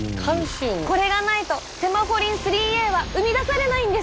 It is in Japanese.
これがないとセマフォリン３Ａは生み出されないんです。